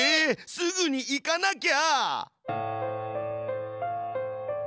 すぐに行かなきゃ！